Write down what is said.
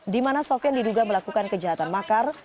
di mana sofian diduga melakukan kejahatan makar